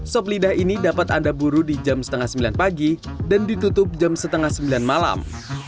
sop lidah ini dapat anda buru di jam setengah sembilan pagi dan ditutup jam setengah sembilan malam